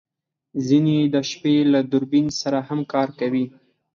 ځینې یې د شپې له دوربین سره هم کار کوي